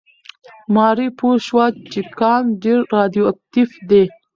ماري پوه شوه چې کان ډېر راډیواکټیف دی.